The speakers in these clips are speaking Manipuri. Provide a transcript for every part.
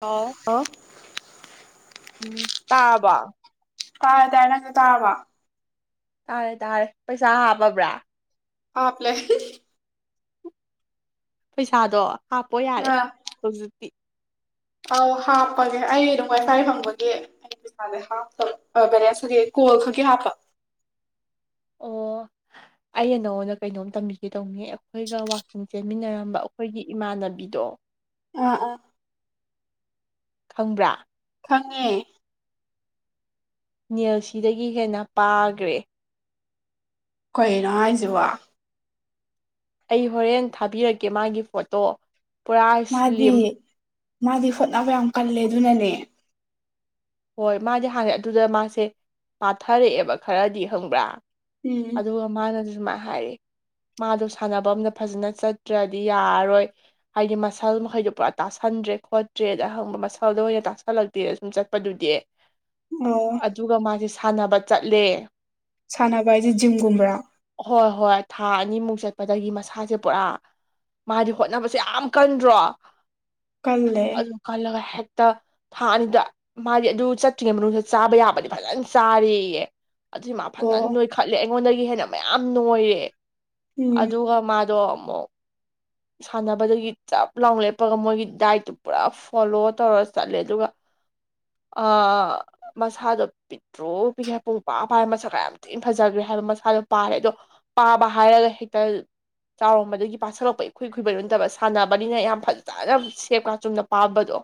ꯑ ꯑꯣ ꯎꯝ ꯇꯥꯕ ꯀꯥ ꯇꯅ ꯇꯥꯕ ꯇꯥꯔꯦ ꯇꯥꯔꯦ ꯄꯩꯁꯥ ꯍꯥꯞꯄꯕ꯭ꯔꯥ ꯂ ꯄꯩꯁꯥꯗꯣ ꯍꯥꯞꯄ ꯌꯥꯔꯦ ꯑꯥ ꯍꯧꯖꯤꯛꯇꯤ ꯑꯧ ꯍꯥꯞꯄꯒꯦ ꯑꯩ ꯑꯗꯨꯝ ꯉꯁꯥꯏ ꯐꯪꯕꯒꯤ ꯦ ꯍꯥꯞꯄꯕꯔꯦ ꯁꯒꯤ ꯀꯣꯜ ꯈꯛꯦ ꯍꯥꯞꯄ ꯑꯣ ꯑꯩ ꯅꯉꯣꯟꯗ ꯀꯩꯅꯣꯝ ꯇꯝꯕꯤꯒꯦ ꯇꯧꯅꯤ ꯑꯩꯈꯣꯏꯒ ꯋꯥꯛꯀꯤꯡ ꯆꯦꯟꯃꯤꯟꯅꯔꯝꯕ ꯑꯩꯈꯣꯏꯒꯤ ꯏꯃꯥꯟꯅꯕꯤꯗꯣ ꯑꯥ ꯑꯥ ꯈꯪꯕ꯭ꯔꯥ ꯈꯪꯉꯦ ꯌꯦꯜꯁꯤꯗꯒꯤ ꯍꯦꯟꯅ ꯄꯥꯈ꯭ꯔꯦ ꯀꯅꯣ ꯍꯥꯏꯖꯕ ꯑꯩ ꯍꯣꯔꯦꯟ ꯊꯥꯕꯤꯔꯛꯀꯦ ꯃꯥꯒꯤ ꯐꯣꯇꯣ ꯄꯨꯔꯥ ꯃꯥꯗꯤ ꯁꯂꯤꯝ ꯃꯥꯗꯤ ꯍꯣꯠꯅꯕ ꯌꯥꯝ ꯀꯜꯂꯦ ꯑꯗꯨꯅꯅꯦ ꯍꯣꯏ ꯃꯥꯗꯤ ꯍꯥꯟꯅ ꯑꯗꯨꯗ ꯃꯥꯁꯦ ꯄꯥꯊꯔꯛꯑꯦꯕ ꯈꯔꯗꯤ ꯍꯪꯕ꯭ꯔꯥ ꯎꯝ ꯑꯗꯨꯒ ꯃꯥꯅꯁꯨ ꯁꯃ ꯍꯥꯏꯔꯤ ꯃꯥꯗꯣ ꯁꯥꯟꯅꯕ ꯑꯝꯗ ꯐꯖꯅ ꯆꯠꯇ꯭ꯔꯗꯤ ꯌꯥꯔꯔꯣꯏ ꯍꯥꯏꯗꯤ ꯃꯁꯜ ꯃꯈꯩꯗꯨꯣ ꯄꯨꯔꯥ ꯇꯥꯥꯟ ꯈꯪꯗ꯭ꯔꯦ ꯈꯣꯠꯇ꯭ꯔꯦꯗ ꯑꯪꯕ ꯃꯁꯥꯗ ꯑꯣꯏꯅ ꯇꯥꯛꯁꯜꯂꯛꯇꯦꯗ ꯁꯨꯝ ꯆ ꯆꯄꯗꯨꯗꯤ ꯑꯣ ꯑꯗꯨꯒ ꯃꯥꯁꯦ ꯁꯥꯟꯅꯕ ꯆꯠꯂꯦ ꯁꯥꯟꯅꯕ ꯍꯥꯏꯁꯦ ꯖꯤꯝꯒꯨꯝꯕ꯭ꯔꯥ ꯍꯣꯏ ꯍꯣꯏ ꯊꯥꯏ ꯑꯅꯤꯃꯨꯛ ꯆꯠꯄꯗꯒꯤ ꯃꯁꯥꯁꯦ ꯄꯨꯔꯥ ꯃꯥꯗꯤ ꯍꯣꯠꯅꯕꯁꯦ ꯌꯥꯝ ꯀꯟꯗ꯭ꯔꯣ ꯀꯜꯂꯦ ꯑꯗꯨ ꯈꯜꯂꯒ ꯍꯦꯛꯇ ꯊꯥ ꯑꯅꯤꯗ ꯃꯥꯗꯤ ꯑꯗꯨ ꯆꯠꯇ꯭ꯔꯤꯉꯩ ꯃꯅꯨꯡꯗ ꯆꯥꯕ ꯌꯥꯕꯗꯤ ꯐꯖꯅ ꯆꯥꯔꯌꯦ ꯑꯗꯨ ꯃꯥ ꯑꯣ ꯐꯖꯅ ꯅꯣꯏꯈꯠꯂꯦ ꯑꯩꯉꯣꯟꯗꯒꯤ ꯍꯦꯟꯅ ꯃꯌꯥꯝ ꯅꯣꯏꯔꯦ ꯎꯝ ꯑꯗꯨꯒ ꯃꯥꯗꯣ [inaudible] ꯁꯥꯟꯅꯕꯗꯒꯤ ꯆꯞ ꯂꯥꯎ ꯂꯦꯞꯄꯒ ꯃꯣꯏꯒꯤ ꯗꯥꯏꯠꯇꯨ ꯄꯨꯔꯥ ꯐꯣꯂꯣ ꯇꯧꯔ ꯆꯠꯂꯦ ꯑꯗꯨꯒ ꯑ ꯃꯁꯥꯗꯣ ꯄꯤꯗ꯭ꯔꯣ ꯄꯤꯒꯦ ꯍꯥꯏ ꯄꯨꯡ ꯄꯥ ꯄꯥꯏ ꯃꯁꯥ ꯀ ꯌꯥꯝ ꯊꯤꯅ ꯐꯖꯈ꯭ꯔꯦ ꯍꯥꯏ ꯃꯁꯥꯗꯣ ꯄꯥꯔꯦ ꯑꯗꯣ ꯄꯥꯕ ꯍꯥꯏꯔꯒ ꯍꯦꯛꯇ ꯆꯥꯎꯔꯝꯕꯗꯒꯤ ꯄꯥꯁꯤꯜꯂꯛꯄꯩ ꯑꯩꯈꯏ ꯈꯨꯕꯩꯂꯣꯟꯠꯇꯕ ꯁꯥꯟꯅꯕꯅꯤꯅ ꯌꯥꯝ ꯐꯖꯅ ꯁꯦꯞꯀꯥ ꯆꯨꯝꯅ ꯄꯥꯝꯕꯗꯣ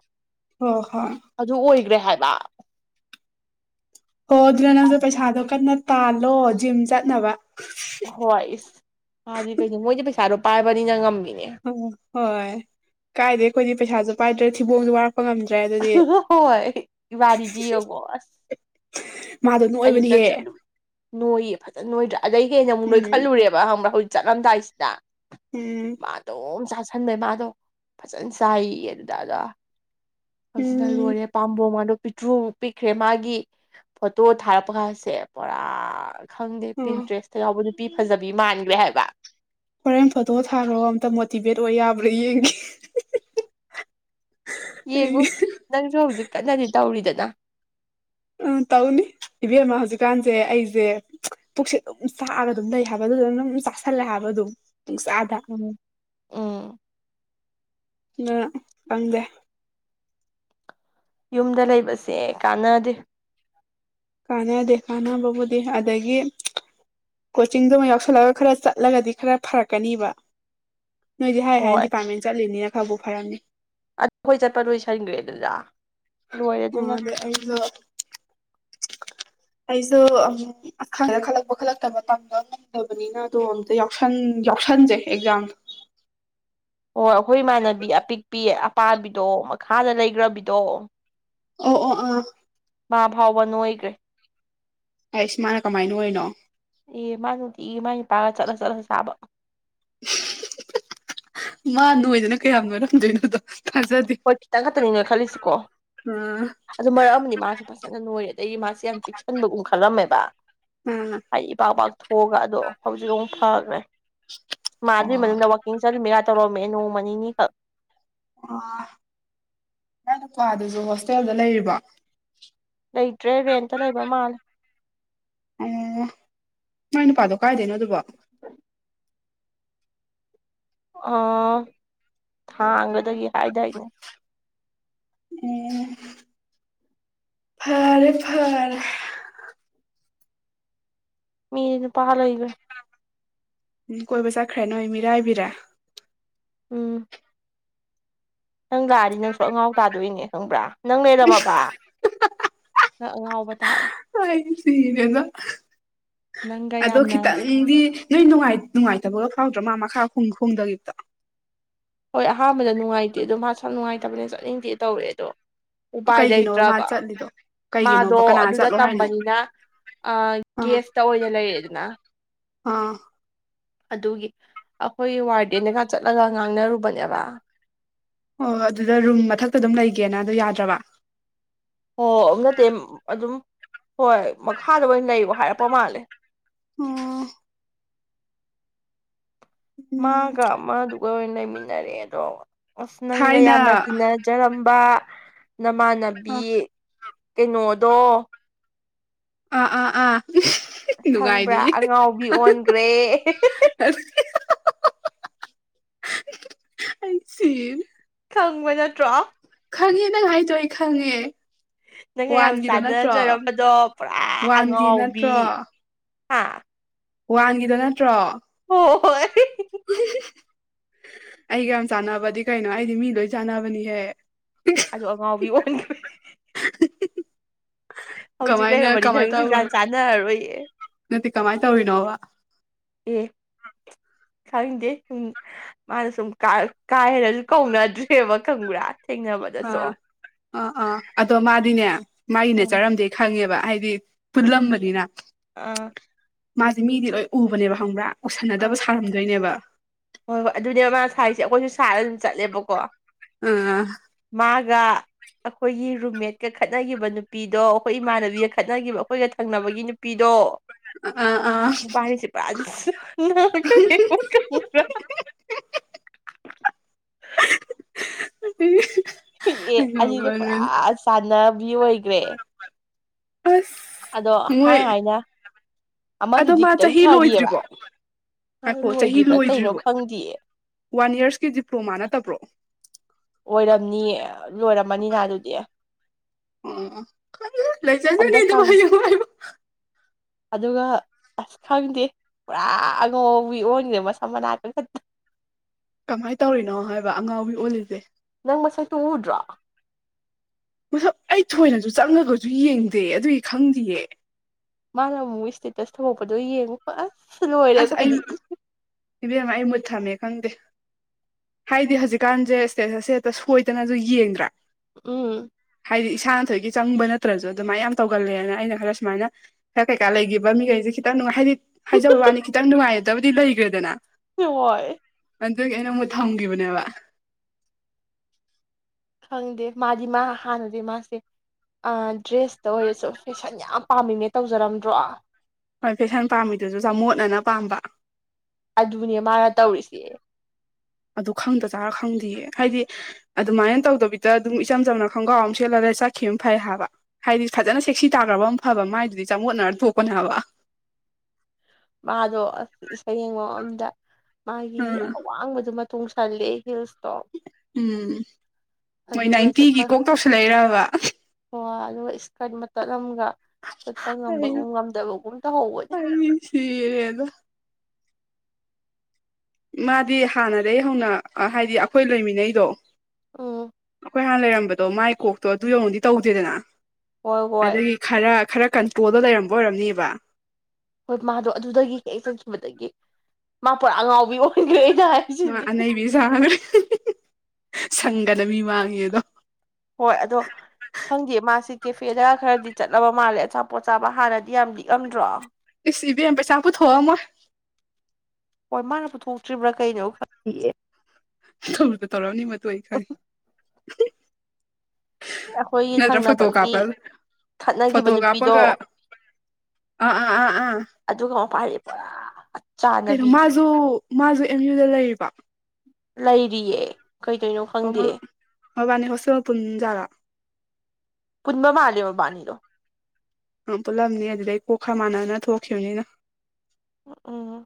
ꯍꯣ ꯍꯣꯏ ꯑꯗꯨ ꯑꯣꯏꯈ꯭ꯔꯦ ꯍꯥꯏꯕ ꯑꯣꯣ ꯑꯗꯨꯅ ꯅꯪꯁꯨꯣ ꯄꯩꯁꯥꯗꯣ ꯀꯟꯅ ꯇꯥꯜꯂꯣ ꯖꯤꯝ ꯆꯠꯅꯕ ꯍꯣꯏ ꯏꯁ ꯐꯗꯤ ꯀꯩꯅ ꯃꯣꯏꯗꯤꯦ ꯄꯩꯁꯥꯗꯣ ꯄꯥꯏꯕꯅꯤꯅ ꯉꯝꯃꯦ ꯑꯣ ꯍꯣꯏ ꯀꯥꯏꯗ ꯑꯩꯈꯣꯏꯗꯤ ꯄꯩꯁꯥꯁꯨ ꯄꯥꯏꯗ꯭ꯔꯒ ꯊꯤꯕꯣꯡꯁꯨ ꯋꯥꯔꯛꯄ ꯉꯝꯗ ꯍꯣꯏꯣꯏ ꯋꯥꯔꯤꯔꯤꯗꯤꯣꯕꯁ ꯃꯥꯗꯣ ꯑꯌꯨꯛꯇ ꯅꯣꯛꯑꯣꯏꯕꯅꯤꯍꯦ ꯆꯠꯂꯨꯔꯦ ꯅꯣꯏꯌꯦ ꯐꯖꯅ ꯅꯣꯏꯗ꯭ꯔꯥ ꯑꯗꯩ ꯍꯦꯟꯅ ꯑꯃꯨꯛ ꯎꯝ ꯅꯣꯏꯈꯠꯂꯨꯔꯦꯕ ꯍꯪꯕ꯭ꯔꯥ ꯍꯧꯖꯤꯛ ꯆꯠꯂꯝꯗꯥꯏꯁꯤꯗ ꯎꯝ ꯃꯥꯗꯣꯝ ꯁꯥ ꯈꯟꯕꯩ ꯃꯥꯗꯣ ꯐꯖꯅ ꯆꯥꯏꯌꯦ ꯑꯗꯨꯗ ꯑꯗ ꯇꯥꯗ ꯎꯝ ꯂꯔ ꯄꯥꯝꯕ ꯃꯥꯥꯗꯨ ꯄꯤꯊ꯭ꯔꯨ ꯄꯤꯛꯈ꯭ꯔꯦ ꯃꯥꯒꯤ ꯐꯣꯇꯣ ꯊꯥꯔꯛꯄ ꯀꯁꯦ ꯄꯨꯔꯥ ꯈꯪꯗꯦ ꯑꯣ ꯄꯟꯇ꯭ꯔꯦꯁꯇ ꯌꯥꯎꯕ ꯅꯨꯄꯤ ꯐꯖꯕꯤ ꯃꯥꯟꯈ꯭ꯔꯦ ꯍꯥꯏꯕ ꯍꯣꯔꯦꯟ ꯐꯣꯇꯣ ꯊꯥꯈ꯭ꯔꯣ ꯑꯝꯇ ꯃꯣꯇꯤꯚꯦꯠ ꯑꯣꯏ ꯌꯥꯕ꯭ꯔꯥ ꯌꯦꯡ ꯌꯦꯡꯉꯣ ꯅꯪꯁꯨ ꯍꯧꯖꯤꯛ ꯀꯟꯅꯗꯤ ꯇꯧꯔꯤꯗꯅ ꯎ ꯇꯧꯅꯤ ꯏꯕꯦꯝꯃ ꯍꯧꯖꯤꯛꯀꯥꯟꯁꯦ ꯑꯩꯁꯦ ꯄꯨꯛꯁꯦ ꯑꯗꯨꯝ ꯆꯥꯛꯑꯒ ꯑꯗꯨꯝ ꯂꯩ ꯍꯥꯏꯕ ꯑꯗꯨ ꯑꯗꯨꯝ ꯆꯥꯥꯁꯜꯂꯦ ꯍꯥꯏꯕ ꯑꯗꯨꯝ ꯄꯨꯡꯆꯥꯗ ꯎꯝ ꯎꯝ ꯎ ꯐꯪꯗꯦ ꯌꯨꯝꯗ ꯂꯩꯕꯁꯦ ꯀꯥꯟꯅꯗꯦ ꯀꯥꯟꯅꯗꯦ ꯀꯥꯟꯅꯕꯕꯨꯗꯤ ꯑꯗꯒꯤ ꯀꯣꯆꯤꯡꯗꯨꯃ ꯌꯥꯎꯁꯜꯂꯒ ꯈꯔ ꯆꯠꯂꯒꯗꯤ ꯈꯔ ꯐꯔꯛꯀꯅꯤꯕ ꯅꯣꯏꯗꯤ ꯍꯥꯏ ꯍꯥꯏꯅ ꯍꯣꯏ ꯗꯤꯄꯥꯔꯠꯃꯦꯟ ꯆꯠꯂꯤꯅꯤꯅ ꯈꯔꯕꯨꯥꯎ ꯐꯔꯝꯅꯤ ꯑꯗꯨ ꯑꯩꯈꯣꯏ ꯆꯠꯄ ꯂꯣꯏꯁꯤꯟꯈ꯭ꯔꯦ ꯑꯗꯨꯗ ꯂꯣꯏꯔꯦ ꯑꯣ ꯑꯗꯨꯅ ꯑꯗ [unintelligible] ꯑꯩꯁꯨꯨꯥꯏꯗ ꯈꯜꯂꯛꯄ ꯈꯠꯂꯛꯇꯕ ꯇꯝꯕ ꯉꯝꯗꯕꯅꯤꯅ ꯑꯗꯣ ꯑꯝꯇ ꯌꯥꯎꯁꯟ ꯎꯝ ꯌꯥꯎꯁꯟꯖꯦ ꯑꯦꯛꯖꯥꯝ [unintelligible] ꯑꯣ ꯑꯩꯈꯣꯏ ꯏꯃꯥꯟꯅꯕꯤ ꯑꯄꯤꯛꯄꯤ ꯑꯄꯥꯕꯤꯗꯣ ꯃꯈꯥꯗ ꯂꯩꯈ꯭ꯔꯕꯤꯗꯣ ꯑꯣ ꯑꯣ ꯑ ꯃꯥ ꯐꯥꯎꯕ ꯅꯣꯏꯈ꯭ꯔꯦ ꯑꯩ ꯏꯁꯃꯅ ꯀꯃꯥꯏꯅ ꯑꯣꯏꯔꯤꯅꯣ ꯑꯦ ꯃꯥ ꯅꯨꯡꯇꯤ ꯃꯥꯒꯤꯄꯥꯒ ꯆꯠꯂ ꯆꯠꯂ ꯆꯥꯕ ꯃꯥꯅꯣꯣꯏꯗꯅ ꯀꯌꯥꯝ ꯉꯔꯝꯗꯣꯏꯅꯣꯗꯣ ꯍꯣꯏ ꯈꯤꯇꯪ ꯈꯛꯇꯅꯤꯅꯦ ꯈꯜꯂꯤꯁꯤꯀꯣ ꯑ ꯑꯗꯨ ꯃꯔꯛ ꯑꯃꯅꯤ ꯃꯥꯁꯨ ꯐꯖꯅ ꯅꯣꯏꯔꯦ ꯑꯗꯒꯤ ꯃꯥꯁꯦ ꯌꯥꯝ ꯄꯤꯛꯁꯟꯕꯒꯨꯝ ꯈꯜꯂꯝꯃꯦꯕ ꯑ ꯑꯩ ꯏꯄꯥꯛ ꯄꯄꯥꯛꯥꯛ ꯊꯣꯛꯑꯒ ꯑꯗꯣ ꯍꯧꯖꯤꯛ ꯐꯈ꯭ꯔꯦ ꯃꯥ ꯑꯗꯨꯏ ꯑꯣ ꯃꯅꯨꯡꯗ ꯋꯥꯋꯥꯛꯀꯤꯡ ꯆꯠꯂꯤꯃꯤꯒ ꯇꯧꯔꯝꯃꯦ ꯅꯣꯡꯃ ꯅꯤꯅꯤꯈꯛ ꯑ ꯏꯅꯥ ꯅꯨꯄꯥꯗꯨꯁꯨ ꯍꯣꯁꯇꯦꯜꯗ ꯂꯩꯔꯤꯕ ꯂꯩꯇ꯭ꯔꯦ ꯔꯦꯟꯇ ꯂꯩꯕ ꯃꯥꯜꯂꯦ ꯑꯣ ꯃꯣꯏ ꯅꯨꯄꯥꯗꯣ ꯀꯥꯏꯗꯣꯏꯅꯣ ꯑꯗꯨꯕꯣ ꯑꯣ ꯊꯥꯡꯒꯒꯦ ꯍꯥꯏꯗꯥꯏꯅꯦ ꯎꯝ ꯐꯔꯦ ꯐꯔꯦ ꯃꯤꯔꯤꯅ ꯄꯥ ꯂꯣꯏꯒ ꯎꯝ ꯀꯣꯏꯕ ꯆꯠꯈ꯭ꯔꯦ ꯅꯣꯏ ꯏ ꯃꯤꯔꯥ ꯍꯥꯏꯕꯤꯔꯥ ꯎꯝ ꯅꯪ ꯂꯥꯛꯑꯗꯤ ꯅꯪꯁꯨ ꯑꯉꯥꯎ ꯇꯥꯗꯣꯏꯅꯦ ꯈꯪꯕ꯭ꯔꯥ ꯅꯪ ꯂꯩꯔꯝꯃꯕ ꯅꯪ ꯑ ꯉꯥꯎꯕ ꯇꯥꯔꯦ ꯁꯤꯅꯦꯅ ꯅꯪꯒ ꯑꯗꯣ ꯌꯥꯝꯅ ꯈꯤꯇꯪꯗꯤ ꯅꯣꯏꯅꯨꯡ ꯅꯨꯡꯉꯥꯏꯇꯕꯒ ꯐꯥꯎꯗ꯭ꯔꯣ ꯃꯥ ꯃꯥ ꯥ ꯈꯣꯡꯈꯣꯡꯗꯒꯤꯇ ꯍꯣꯏ ꯑꯍꯥꯟꯕꯗ ꯅꯨꯡꯉꯥꯏꯇꯦ ꯑꯗꯣ ꯃꯥ ꯁ ꯅꯨꯡꯉꯥꯏꯇꯕꯅꯦ ꯆꯠꯅꯤꯡꯗꯦ ꯇꯧꯔꯦ ꯑꯗꯣ ꯎꯄꯥꯏ ꯀꯩꯒꯤꯅꯣꯕ ꯃꯥ ꯂꯩꯇ꯭ꯔꯕ ꯆꯠꯂꯤꯗꯣ ꯀꯩꯒꯤꯅꯣꯕ ꯃꯥꯗꯣ ꯀꯅꯥ ꯑꯗꯨꯗ ꯆꯠꯂꯣ ꯍꯥꯏꯅꯣ ꯇꯝꯕꯅꯤꯅ ꯑ ꯑꯥ ꯒꯦꯁꯇ ꯑꯣꯏꯅ ꯂꯩꯔꯦꯗꯅ ꯑꯥ ꯑꯗꯨꯒꯤ ꯑꯩꯈꯣꯏ ꯋꯥꯔꯗꯦꯟꯗꯒ ꯆꯠꯂꯒ ꯉꯥꯡꯅꯔꯨꯕꯅꯦꯕ ꯍꯣꯏꯣꯏ ꯑꯗꯨꯗ ꯔꯨꯝ ꯃꯊꯛꯇ ꯑꯗꯨꯝ ꯂꯩꯒꯦꯅ ꯑꯗꯨ ꯌꯥꯗ꯭ꯔꯕ ꯍꯣꯏ ꯑꯗꯨ ꯅꯠꯇꯦ ꯑꯗꯨꯝ ꯍꯣꯏ ꯃꯈꯥꯗ ꯑꯣꯏꯅ ꯂꯩꯕ ꯍꯥꯏꯔꯛꯄ ꯃꯥꯜꯂꯦ ꯎꯝ ꯎꯝ ꯃꯥꯒ ꯑꯃꯗꯨꯒ ꯑꯣꯏꯅ ꯂꯩꯃꯤꯟꯅꯔꯦ ꯑꯗꯣ ꯑꯁ ꯅꯪꯒ ꯊꯥꯏꯅ ꯌꯥꯝꯅ ꯇꯤꯟꯅꯖꯔꯝꯕ ꯑꯥ ꯅꯃꯥꯟꯅꯕꯤ ꯀꯩꯅꯣꯗꯣ ꯑ ꯑꯥ ꯑꯥ ꯈꯪꯕ꯭ꯔꯥ ꯅꯨꯡꯉꯥꯏꯅꯤꯌꯦ ꯑꯉꯥꯎꯕꯤ ꯑꯣꯟꯈ꯭ꯔꯦ ꯑꯩꯆ ꯈꯪꯕ ꯅꯠꯇ꯭ꯔꯣ ꯈꯪꯉꯦ ꯅꯪ ꯍꯥꯏꯗꯣꯏ ꯑꯩ ꯈꯪꯉꯦ ꯅꯪꯒ ꯌꯥꯝ ꯋꯥꯟꯒꯤꯗꯣ ꯅꯠꯇ꯭ꯔꯣ ꯆꯥꯟꯅꯖꯔꯝꯕꯗꯣ ꯄꯨꯔꯥ ꯋꯥꯟꯒꯤ ꯑꯉꯥꯎꯕꯤ ꯅꯠꯇ꯭ꯔꯣ ꯍꯥꯥ ꯋꯥꯟꯒꯤꯗꯣ ꯅꯠꯇ꯭ꯔꯣ ꯍ ꯍꯣꯏ ꯑꯩꯒ ꯌꯥꯝ ꯆꯥꯟꯅꯕꯗꯤ ꯀꯩꯅꯣ ꯑꯩꯗꯤ ꯃꯤ ꯂꯣꯏ ꯆꯥꯟꯅꯕꯅꯤꯍꯦ ꯑꯗꯨ ꯑꯉꯥꯎꯕꯤ ꯑꯣꯏ ꯀꯃꯥꯏꯅ ꯂꯩꯔꯝꯃꯗꯤ ꯀꯃꯥꯏ ꯅꯪ ꯇ ꯁꯨꯡꯆꯥꯟ ꯆꯥꯟꯅꯔꯔꯣꯏꯌꯦ ꯀꯃꯥꯏꯅ ꯇꯧꯔꯤꯅꯣꯕ ꯎꯝ ꯈꯪꯗꯦ ꯁꯨꯝ ꯃꯥꯅ ꯁꯨꯝ ꯀꯥꯏ ꯍꯔꯁꯨ ꯀꯧꯅꯗ꯭ꯔꯦꯕ ꯈꯪꯕ꯭ꯔꯥ ꯊꯦꯡꯅꯕꯗꯁꯨ ꯑꯥ ꯑꯥ ꯑꯥ ꯑꯗꯣ ꯃꯥꯗꯤꯅꯦ ꯃꯥꯒꯤꯅꯦ ꯎꯝ ꯆꯥꯔꯝꯗꯦ ꯈꯪꯉꯦꯕ ꯍꯥꯏꯗꯤ ꯐꯜꯂꯝꯕꯅꯤꯅ ꯑꯥ ꯃꯥꯁꯦ ꯃꯤꯗꯤ ꯂꯣꯏ ꯎꯕꯅꯦꯕ ꯍꯪꯕ꯭ꯔꯥ ꯑꯥ ꯑꯣꯁꯟꯅꯗꯕ ꯁꯥꯔꯝꯗꯣꯏꯅꯦꯕ ꯍꯣꯏ ꯍꯣꯏ ꯑꯗꯨꯅꯦꯕ ꯃꯥ ꯁꯔꯤꯁꯦ ꯑꯩꯈꯣꯏꯁꯨ ꯁꯥꯔꯒ ꯑꯗꯨꯝ ꯆꯠꯂꯦꯕꯀꯣ ꯎꯝ ꯉꯥ ꯑꯩꯈꯣꯏꯒꯤ ꯔꯨꯝꯃꯦꯠꯀ ꯈꯠꯅꯈꯤꯕ ꯅꯨꯄꯤꯗꯣ ꯑꯩꯈꯣꯏ ꯏꯃꯥꯟꯅꯕꯤꯒ ꯈꯠꯅꯈꯤꯕ ꯑꯩꯈꯣꯏꯒ ꯊꯪꯅꯕꯒꯤ ꯅꯨꯄꯤꯗꯣ ꯑꯥ ꯑꯥ ꯄꯅꯤꯁꯤ ꯄ ꯎ ꯑꯦ ꯑꯅꯤꯗꯣ ꯄꯨꯔꯥ ꯆꯥꯟꯅꯕꯤ ꯑꯣꯏꯈ꯭ꯔꯦ ꯑꯁ ꯑꯗꯣ ꯍꯥꯏ ꯃꯣꯏ ꯍꯥꯏꯅꯦ ꯑꯗꯣ ꯃꯥ ꯆꯍꯤ ꯂꯣꯏꯗ꯭ꯔꯤꯕꯣ ꯃꯥꯅ ꯍꯥꯏꯈꯣ ꯆꯍꯤ ꯂꯣꯏꯗ꯭ꯔꯤꯕ꯭ꯔꯥ ꯀꯩꯅꯣ ꯂꯣꯏꯗ꯭ꯔꯤꯕꯣ ꯈꯪꯗꯦꯌꯦ ꯋꯥꯟ ꯌꯔꯁꯀꯤ ꯗꯤꯄ꯭ꯂꯣꯃꯥ ꯅꯠꯇꯕ꯭ꯔꯣ ꯑꯣꯏꯔꯝꯅꯤꯌꯦ ꯂꯣꯏꯔꯝꯃꯅꯤꯅ ꯑꯗꯨꯗꯤ ꯑꯣ ꯂꯣꯏ ꯆꯖ ꯅ ꯍꯟꯗꯛ ꯀꯥꯟ ꯑꯗꯨ ꯑꯗꯨꯒ ꯑꯁ ꯈꯪꯗꯦ ꯄꯨꯔꯥ ꯑꯉꯧꯕꯤ ꯑꯣꯏꯟꯈꯦ ꯃꯁꯝ ꯃꯅꯥꯛꯇꯈ ꯀꯃꯥꯏꯅ ꯇꯧꯔꯤꯅꯣ ꯍꯥꯏꯕ ꯑꯉꯥꯎꯕꯤ ꯑꯣꯜꯂꯤꯁꯦ ꯪ ꯃꯁꯥꯏ ꯇ ꯎꯗ꯭ꯔꯥ ꯃꯁꯛ ꯑꯩ ꯊꯣꯏꯅꯁꯨ ꯆꯪꯉꯒꯁꯨ ꯌꯦꯡꯗꯦ ꯑꯗꯨꯒꯤ ꯈꯪꯗꯌꯦ ꯃꯥꯅ ꯑꯃꯨꯛꯒꯤ ꯏꯁꯇꯦꯇꯁ ꯊꯍꯛꯄꯗꯣ ꯌꯦꯡꯉꯨꯀꯣ ꯑꯁ ꯂꯣꯏꯔꯦ ꯑꯁ ꯑꯩ ꯑꯩꯈꯣꯏꯗꯤ ꯏꯕꯦꯝꯃ ꯑꯩ ꯃ ꯊꯃꯦ ꯈꯪꯗꯦ ꯍꯥꯏꯗꯤ ꯍꯧꯖꯤꯛꯀꯥꯟꯁꯦ ꯁꯇꯦꯖ ꯑꯁ ꯍꯦꯛꯇ ꯁꯣꯏꯗꯅꯁꯨ ꯌꯦꯡꯗ꯭ꯔꯥ ꯎꯝ ꯍꯥꯏꯗꯤ ꯏꯁꯥꯅ ꯊꯣꯛꯣꯏꯒꯤ ꯆꯪꯕ ꯅꯠꯇ꯭ꯔꯁꯨ ꯑꯗꯨꯃꯥꯏꯅ ꯌꯥꯝꯅ ꯇꯧꯒꯜꯂꯦꯅ ꯑꯩꯅ ꯈꯔ ꯁꯨꯃꯥꯏꯅ ꯈꯔ ꯀꯩꯀꯥ ꯂꯩꯈꯤꯕ ꯃꯤꯈꯩꯁꯦ ꯈꯤꯇꯪ ꯅꯨꯡꯉꯥꯏ ꯍꯥꯏꯗꯤ ꯍꯥꯏꯖꯕ ꯋꯥꯅꯤ ꯈꯤꯇꯪ ꯅꯨꯡꯉꯥꯏꯖꯗꯕꯗꯤ ꯂꯩꯈ꯭ꯔꯦꯗꯅ ꯍꯣꯏ ꯑꯗꯨꯗꯒꯤ ꯑꯩꯅ ꯑꯃꯨꯛ ꯊꯝꯈꯤꯕꯅꯦꯕ ꯈꯪꯗꯦ ꯃꯥꯗꯤ ꯃꯥ ꯍꯥꯟꯅꯗꯤꯦ ꯃꯥꯁꯦ ꯑ ꯗ꯭ꯔꯦꯁꯇ ꯑꯣꯏꯔꯁꯨ ꯐꯦꯁꯟ ꯌꯥꯝ ꯄꯥꯝꯃꯤꯅꯦ ꯇꯧꯖꯔꯝꯗ꯭ꯔꯣ ꯍꯣꯏ ꯐꯦꯁꯟ ꯄꯥꯝꯃꯤꯗꯨꯁꯨ ꯆ ꯃꯣꯠꯅꯅ ꯄꯥꯝꯕ ꯑꯗꯨꯅꯦ ꯃꯥꯅ ꯇꯧꯔꯤꯁꯦ ꯑꯗꯨ ꯈꯪꯗ ꯆꯥꯔ ꯈꯪꯗꯦꯌꯦ ꯍꯥꯏꯗꯤ ꯑꯗꯨꯃꯥꯏꯅ ꯇꯧꯗꯕꯤꯗ ꯑꯗꯨꯝ ꯏꯆꯝ ꯆꯝꯅ ꯈꯣꯡꯒ꯭ꯔꯥꯎ ꯑꯃ ꯁꯦꯠꯂ ꯆꯠꯈꯤꯕ ꯑꯃ ꯐꯩ ꯍꯥꯏꯕ ꯍꯥꯏꯗꯤ ꯐꯖꯅ ꯁꯦꯛꯁꯤ ꯇꯥꯈ꯭ꯔꯕ ꯑꯃ ꯐꯕ ꯃꯥꯏꯗꯨꯗꯤ ꯆꯃꯣꯠꯅꯔ ꯇꯣꯛꯄꯅꯦ ꯍꯥꯏꯕ ꯃꯥꯗꯣ ꯑꯁ ꯏꯁꯩ ꯌꯦꯡꯉꯣ ꯑꯝꯗ ꯃꯥꯒꯤ ꯎꯝ ꯑꯋꯥꯡꯕꯗ ꯃꯇꯨꯡꯣꯡꯁꯜꯂꯦ ꯍꯤꯜꯁ ꯎꯝ ꯅꯣꯏ ꯅꯥꯏꯟꯇꯤꯒꯤ ꯀꯣꯛꯇꯧꯁꯨ ꯂꯩꯔꯕ ꯑꯣ ꯑꯗꯨꯒ ꯏꯁꯀꯔꯠ ꯃꯇꯜ ꯑꯃꯒ ꯆꯠꯄ ꯉꯝꯕꯒꯨꯝ ꯉꯝꯗꯕꯒꯨꯝ ꯇꯧꯍꯧꯕꯅꯦ ꯁꯤꯔ ꯑꯗ ꯃꯥꯗꯤ ꯍꯥꯟꯅꯗꯒꯤ ꯍꯧꯅ ꯍꯥꯏꯗꯤ ꯑꯩꯈꯣꯏ ꯂꯣꯏꯃꯤꯟꯅꯩꯗꯣ ꯎꯝ ꯑꯩꯈꯣꯏ ꯍꯥꯟꯅ ꯂꯩꯔꯝꯕꯗꯣ ꯃꯥꯏ ꯀꯣꯛꯇꯣ ꯑꯗꯨ ꯌꯧꯉꯨꯗꯤ ꯇꯧꯗꯦꯗꯅ ꯍꯣꯏ ꯍꯣꯏ ꯑꯗꯨꯗꯒꯤ ꯈꯔ ꯈꯔ ꯀꯟꯇ꯭ꯔꯣꯜꯗ ꯂꯩꯔꯝꯕ ꯑꯣꯏꯔꯝꯅꯦꯕ ꯍꯣꯏ ꯃꯥꯗꯣ ꯑꯗꯨꯗꯒꯤ ꯍꯦꯛꯦꯛ ꯆꯪꯈꯤꯕꯗꯒꯤ ꯃꯥ ꯄꯨꯔꯥ ꯑꯉꯥꯎꯕꯤ ꯑꯣꯏꯈ꯭ꯔꯦ ꯑ ꯑꯅꯩꯕꯤ ꯁꯥꯈ꯭ꯔꯦ ꯁꯪꯒꯅ ꯃꯤ ꯃꯥꯡꯉꯦ ꯑꯗꯣ ꯍꯣꯏ ꯑꯗꯣ ꯈꯪꯗꯦ ꯃꯥꯁꯤꯦ ꯀꯦꯐꯦꯗ ꯈꯔꯗꯤ ꯆꯠꯂꯕ ꯃꯥꯜꯂꯦ ꯑꯆꯥꯄꯣꯠ ꯆꯆꯥꯕ ꯍꯥꯟꯅꯗꯤ ꯌꯥꯝ ꯂꯤꯛꯑꯝꯗ꯭ꯔꯣ ꯁꯤꯕꯤ ꯑꯦꯝ ꯄꯩꯁꯥ ꯍꯥꯨ ꯊ ꯃ ꯍꯣꯏ ꯃꯥꯅ ꯄꯨꯊꯣꯛꯇ꯭ꯔꯤꯕ꯭ꯔꯥ ꯀꯩꯅꯣ ꯈꯪ ꯊꯛꯇ ꯇꯧꯔꯑꯅꯤ ꯃ ꯑꯩ ꯈꯥꯏ ꯑꯩꯈꯣꯏꯒꯤ ꯅꯠꯇ꯭ꯔ ꯐꯣꯇꯣ ꯊꯪꯅꯕꯒꯤ ꯀꯥꯞꯄꯒ ꯈꯠꯅꯈꯤꯕ ꯐꯣꯇꯣ ꯅꯨꯄꯤꯗꯣ ꯀꯥꯞꯄꯒ ꯑꯥ ꯑꯥ ꯑꯥ ꯑꯥ ꯑꯗꯨꯒ ꯃꯄꯥꯗꯤ ꯄꯨꯔꯥ ꯈꯩꯅ ꯆꯥꯟꯅꯕꯤ ꯃꯥꯁꯨ ꯃꯥꯁꯨꯦ ꯑꯦꯝ ꯌꯨꯗ ꯂꯩꯔꯤꯕ ꯂꯩꯔꯤꯌꯦ ꯀꯩꯗꯣꯏꯅꯣ ꯑꯣ ꯈꯪꯗꯦ ꯃꯣꯏ ꯃꯕꯥꯅꯤ ꯍꯣꯁꯇꯦꯜ ꯄꯨꯟꯖꯔ ꯀꯨꯟꯕ ꯃꯥ ꯑꯂꯕꯕꯥꯅꯤ ꯂꯣ ꯑꯪ ꯄꯨꯜꯂꯝꯅꯤ ꯑꯗꯨꯗꯩ ꯀꯣꯛ ꯈ ꯃꯥꯟꯅꯅ ꯊꯣꯛꯈꯤꯕꯅꯤꯅ ꯎꯝ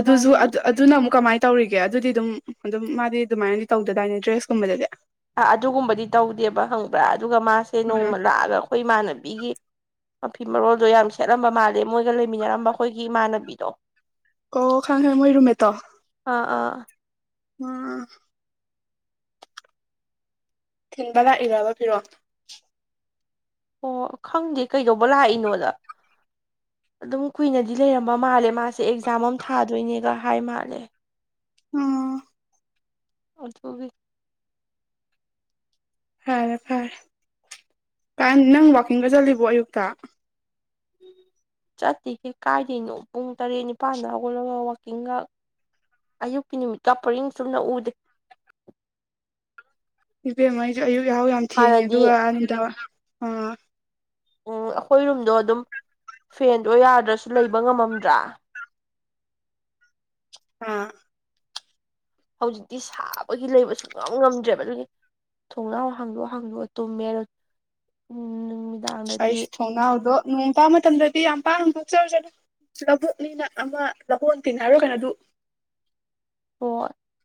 ꯑꯗꯨꯁꯨ ꯑꯗꯨ ꯑꯗꯨꯅ ꯑꯃꯨꯛ ꯀꯃꯥꯏꯅ ꯇꯧꯔꯤꯒꯦ ꯑꯗꯨꯗꯤ ꯑꯗꯨꯝ ꯑꯗꯨꯝ ꯃꯥꯗꯤ ꯑꯗꯨꯃꯥꯏꯅꯗꯤ ꯇꯧꯗꯗꯥꯏꯅꯦ ꯗ꯭ꯔꯦꯁꯀꯨꯝꯕꯗꯗꯤ ꯑꯗꯨꯒꯨꯝꯕꯗꯤ ꯇꯧꯗꯦꯕ ꯍꯪꯕ꯭ꯔꯥ ꯑꯗꯨꯒ ꯃꯥꯁꯦ ꯎꯝ ꯅꯣꯡꯃ ꯂꯥꯛꯑꯒ ꯑꯩꯈꯣꯏ ꯏꯃꯥꯟꯅꯕꯤ ꯅꯨꯄꯤꯒꯤ ꯃꯐꯤ ꯃꯔꯣꯜꯗꯣ ꯌꯥꯝ ꯁꯦꯠꯂꯝꯕ ꯃꯥꯜꯂꯦ ꯃꯣꯏꯒ ꯂꯩꯃꯤꯟꯅꯔꯝꯕ ꯑꯩꯈꯣꯏꯒꯤ ꯏꯃꯥꯟꯅꯕꯤꯗꯣ ꯑꯣ ꯈꯪ ꯈꯉ ꯃꯣꯏ ꯔꯨꯝꯃꯦꯠꯇꯣ ꯑꯥ ꯑꯥ ꯑꯥ ꯊꯤꯟꯕ ꯂꯥꯛꯏꯔꯕ ꯐꯤꯔꯣ ꯑꯣ ꯈꯪꯗꯦ ꯀꯩꯗꯧꯕ ꯂꯥꯛꯏꯅꯣꯗ ꯑꯗꯨꯝ ꯀꯨꯏꯅꯗꯤ ꯂꯩꯔꯝꯕ ꯃꯥꯜꯂꯦ ꯃꯥꯁꯦ ꯑꯦꯛꯖꯥꯝ ꯑꯃ ꯊꯥꯗꯣꯏꯅꯦꯒ ꯍꯥꯏ ꯃꯥꯜꯂꯦ ꯎꯝ ꯑꯣꯁꯨꯒ ꯐꯔꯦ ꯐꯔꯦ ꯅꯪ ꯋꯥꯛꯀꯤꯡꯒ ꯆꯠꯂꯤꯕꯣ ꯑꯌꯨꯛꯇ ꯆꯠꯇꯒꯦ ꯀꯥꯏꯗꯅꯣ ꯄꯨꯡ ꯇꯔꯦꯠ ꯅꯤꯄꯥꯜꯗ ꯍꯧꯒꯠꯂꯒ ꯋꯥꯛꯀꯤꯡꯒ ꯑꯌꯨꯛꯀꯤ ꯅꯨꯃꯤꯠꯀ ꯄꯔꯤꯡ ꯆꯨꯝꯅ ꯎꯗꯦ ꯏꯕꯦꯝꯃ ꯑꯩꯁꯨ ꯑꯌꯨꯛ ꯌꯥꯍꯥꯎ ꯌꯥꯝ ꯊꯦꯡꯉꯦ ꯍꯥꯟꯅꯗꯤ ꯑꯗꯨꯒ ꯑꯗ ꯑ ꯎꯝ ꯑꯩꯈꯣꯏ ꯔꯨꯝꯗꯣ ꯑꯗꯨꯝ ꯐꯦꯟꯗꯣ ꯌꯥꯗ꯭ꯔꯁꯨ ꯂꯩꯕ ꯉꯝꯃꯝꯗ꯭ꯔꯥ ꯑꯥ ꯍꯧꯖꯤꯛꯇꯤ ꯁꯥꯕꯒꯤ ꯂꯩꯕꯁꯨ ꯉꯝ ꯉꯝꯗ꯭ꯔꯦꯕ ꯑꯗꯨꯒꯤ ꯊꯣꯡꯅꯥꯎ ꯍꯥꯡꯗꯣꯛꯑꯣ ꯍꯥꯡꯗꯣꯛꯑꯣ ꯇꯨꯝꯃꯦꯔꯣ ꯎꯝ ꯑꯩꯁꯨ ꯊꯣꯡꯅꯥꯎꯗꯣ ꯅꯣꯡ ꯇꯥꯕ ꯃꯇꯝꯗꯗꯤ ꯌꯥꯝ ꯄꯥꯅ ꯊꯣꯛꯣꯛꯆꯔꯨꯁꯅ ꯂꯕꯣꯛꯅꯤꯅ ꯑꯃ ꯂꯕꯛ ꯇꯤꯟꯅꯔꯣ ꯀꯩꯅ ꯑꯗꯨ [unintelligible] ꯑꯣ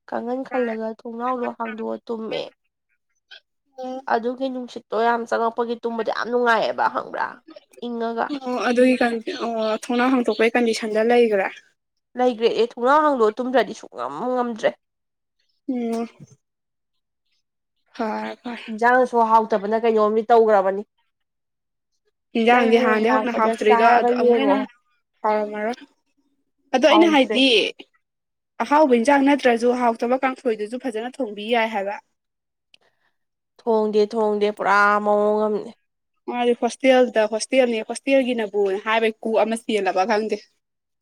ꯀꯥꯡꯍꯟ ꯈꯜꯂꯒ ꯊꯣꯡꯅꯥꯎꯗꯣ ꯍꯥꯡꯗꯣꯛꯑ ꯇꯨꯝꯃꯦ ꯑꯗꯨꯒꯤ ꯅꯨꯡꯁꯤꯠꯇꯣ ꯌꯥꯝ ꯆꯪꯉꯛꯄꯒꯤ ꯇꯨꯝꯕꯗꯣ ꯌꯥꯝ ꯅꯨꯡꯉꯥꯏꯑꯕ ꯈꯪꯕ꯭ꯔꯥ ꯏꯪꯉꯒ ꯑꯣ ꯑꯗꯨꯒꯤ ꯑꯣ ꯊꯣꯡꯅꯥ ꯍꯥꯡꯇꯣꯛꯄꯒꯤ ꯀꯟꯗꯤꯁꯟꯗ ꯂꯩꯈ꯭ꯔꯦ ꯂꯩꯈ꯭ꯔꯦ ꯑꯦ ꯊꯣꯡꯅꯥꯥꯡ ꯍꯥꯡꯗꯣꯛ ꯇꯨꯝꯗ꯭ꯔꯗꯤ ꯁꯨꯡ ꯉꯝ ꯉꯝꯗ꯭ꯔꯦ ꯎꯝ ꯍ ꯏꯟꯁꯥꯡꯁꯨ ꯍꯥꯎꯇꯕꯅ ꯀꯩꯅꯣꯝ ꯇꯧꯈ꯭ꯔꯕꯅꯤ ꯅꯪ ꯍꯤꯟꯖꯥꯡꯗꯤ ꯍꯌꯦꯡ ꯍꯥꯟꯅꯗꯤ ꯍꯧꯅ ꯂꯥꯛꯄꯗ ꯍꯥꯎꯇ꯭ꯔꯤꯗ ꯆꯥꯔꯒ ꯑꯗꯣ ꯑꯃꯨꯛ ꯌꯦꯡꯉꯣ ꯍꯟꯅ ꯍꯥꯎꯔꯝꯃꯔꯣꯏ ꯑꯗꯣ ꯑꯩꯅ ꯍꯥꯎꯇ꯭ꯔꯦ ꯍꯥꯏꯗꯤ ꯑꯍꯥꯎꯕ ꯏꯟꯁꯥꯡ ꯅꯠꯇ꯭ꯔꯁꯨ ꯍꯥꯎꯇꯕ ꯀꯥꯡꯊꯣꯏꯗꯨꯁꯨ ꯐꯖꯅ ꯊꯣꯡꯕꯤ ꯌꯥꯏ ꯍꯥꯏꯕ ꯊꯣꯡꯗꯦ ꯊꯣꯡꯗꯦ ꯄꯨꯔꯥ ꯃꯑꯣꯡ ꯑꯃ ꯃꯥꯗꯤ ꯍꯣꯁꯇꯦꯜꯗ ꯍꯣꯁꯇꯦꯜꯅꯤ ꯍꯣꯁꯇꯦꯜꯒꯤꯅꯕꯨ ꯍꯥꯏꯕꯩ ꯀꯨ ꯑꯃ ꯆꯦꯜꯂꯕ ꯈꯪꯗꯦ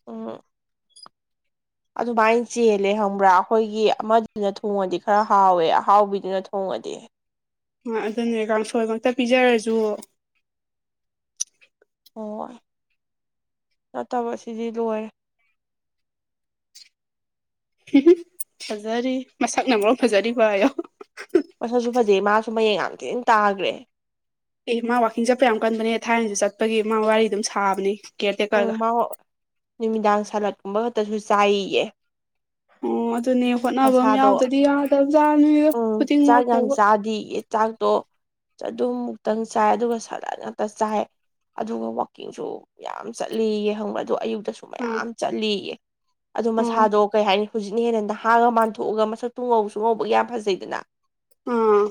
ꯑ ꯑꯗꯨꯃꯥꯏꯅ ꯆꯦꯜꯂꯦ ꯍꯪꯕ꯭ꯔꯥ ꯑꯩꯈꯣꯏꯒꯤ ꯑꯃꯗꯨꯅ ꯊꯣꯡꯉꯗꯤ ꯈꯔ ꯍꯥꯎꯋꯦ ꯑꯍꯥꯎꯕꯤꯗꯨꯅ ꯊꯣꯡ ꯃ ꯑꯗꯨꯅꯦ ꯀꯥꯡꯐꯣꯏ ꯈꯛꯇ ꯄꯤꯖꯔꯁꯨ ꯍꯣꯏ ꯅꯠꯇꯕ ꯁꯤꯗꯤ ꯂꯣꯏꯔꯦ [unintelligible] ꯐꯖꯔꯤ ꯃꯁꯛꯅ ꯃꯔꯣ ꯐꯖꯔꯤꯕ ꯑꯌꯧ ꯃꯁꯁꯨ ꯐꯖꯩ ꯃꯥꯁꯨ ꯃꯌꯦꯛꯡ ꯌꯥꯝ ꯊꯤꯅ ꯇꯥꯈ꯭ꯔꯦ ꯑꯦ ꯃꯥ ꯋꯥꯛꯀꯤꯡ ꯆꯠꯄ ꯌꯥꯝ ꯀꯟꯕꯅꯦ ꯊꯥꯏꯅꯁꯨ ꯆꯠꯄꯒꯤ ꯃꯥ ꯋꯥꯔꯤ ꯑꯗꯨꯝ ꯁꯥꯕꯅꯦ ꯀꯦꯔꯇ ꯎꯝ ꯀꯑꯒ ꯃꯥ ꯅꯨꯃꯤꯗꯥꯡ ꯁꯂꯠꯀꯨꯝꯕ ꯈꯛꯇꯁꯨ ꯆꯥꯏꯌꯦ ꯑꯣ ꯑꯗꯨꯅꯦ ꯍꯣꯠꯅꯕ ꯑꯃ ꯃꯁꯥꯗꯣ ꯌꯥꯎꯗꯗꯤ ꯌꯥꯗꯕꯖꯥ ꯅꯣꯏ ꯈꯨꯗꯤꯡꯃꯛꯄꯨꯕ ꯍꯥꯏꯗꯤꯒꯤ ꯆꯥꯛꯇꯣ ꯑꯗꯨꯝ ꯃꯨꯛꯇꯪ ꯆꯥꯏ ꯑꯗꯨꯒ ꯁꯗꯟ ꯉꯥꯛꯇ ꯆꯥꯏ ꯑꯗꯨꯒ ꯋꯥꯋꯥꯛꯀꯤꯡꯁꯨ ꯌꯥꯝ ꯆꯠꯂꯤꯌꯦ ꯈꯪꯕ꯭ꯔ ꯑꯗꯣ ꯑꯌꯨꯛꯇꯁꯨ ꯑꯥ ꯃꯌꯥꯝ ꯆꯠꯂꯤꯌꯦ ꯑꯗꯨꯗ ꯑꯣ ꯃꯁꯥꯗꯣ ꯀꯩ ꯍꯥꯏꯅꯤ ꯍꯧꯖꯤꯛꯅ ꯍꯦꯟꯅ ꯅꯍꯥꯡꯑꯒ ꯃꯥꯟꯊꯣꯛꯑꯒ ꯃꯁꯛꯇꯨ ꯉꯧꯁꯨ ꯉꯧꯕꯒꯤ ꯌꯥꯝ ꯐꯖꯩꯗꯅ ꯑꯥ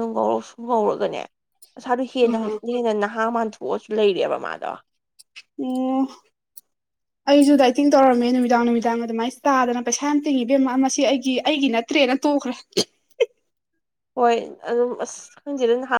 ꯉꯧꯔ ꯁꯨꯝ ꯉꯧꯔꯒꯅꯦ ꯉꯁꯥ ꯍꯦ ꯑꯥ ꯍꯧꯖꯤ ꯍꯦꯟꯅ ꯅꯍꯥ ꯃꯊ ꯄꯣꯠꯁꯨ ꯂꯩꯔꯦꯕ ꯃꯥꯗꯣ ꯎꯝ ꯑꯩꯁꯨ ꯗꯥꯏꯇꯤꯡ ꯇꯧꯔꯝꯃꯦ ꯅꯨꯃꯤꯗꯥꯡ ꯅꯨꯃꯤꯗꯥꯡ ꯑꯗꯨꯃꯥꯏꯅ ꯇꯥꯗꯅ ꯄꯩꯁꯥ ꯌꯥꯝ ꯇꯤꯡꯉꯤꯕ ꯃꯁꯤ ꯑꯩꯒꯤ ꯑꯩꯒꯤꯅ ꯔꯠꯇꯦꯅ ꯇꯨꯈ꯭ꯔꯦ ꯍꯣꯏ ꯑꯗꯨꯝ ꯑꯁ ꯈꯪꯖꯗꯍ